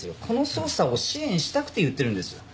この捜査を支援したくて言ってるんです。